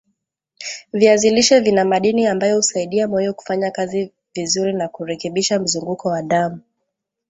viazi lishe vina madini ambayo husaidia moyo kufanyakazi vizuri na kurekebisha mzunguko wa damu